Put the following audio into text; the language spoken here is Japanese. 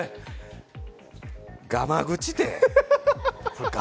がま口て。